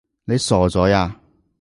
你傻咗呀？